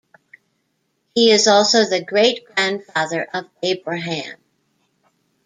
He is also the great-grandfather of Abraham.